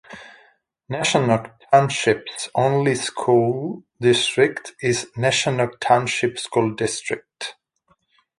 Neshannock Township's only school district is Neshannock Township School District.